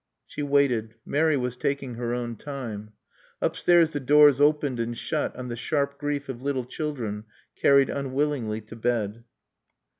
She waited. Mary was taking her own time. Upstairs the doors opened and shut on the sharp grief of little children carried unwillingly to bed.